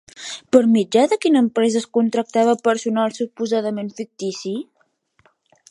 Per mitjà de quina empresa es contractava personal suposadament fictici?